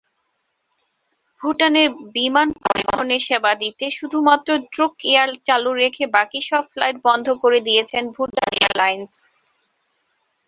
ভুটানে বিমান পরিবহনের সেবা দিতে শুধুমাত্র ড্রুক এয়ার চালু রেখে বাকি সব ফ্লাইট বন্ধ করে দিয়েছে ভুটান এয়ারলাইন্স।